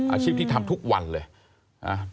อาชีพที่ทำทุกวันเลย